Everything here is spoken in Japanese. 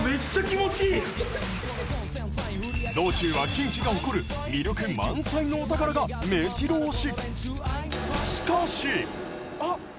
道中は近畿が誇る魅力満載のお宝がめじろ押し。